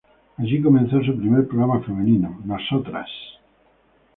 Allí comenzó su primer programa femenino, "Nosotras".